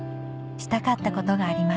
したかったことがあります